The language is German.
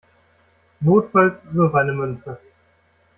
Notfalls wirf eine Münze.